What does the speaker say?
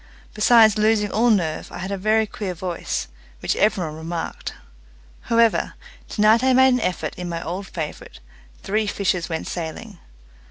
Besides losing all nerve, I had a very queer voice, which every one remarked. However, tonight I made an effort in my old favourite, "Three Fishers Went Sailing".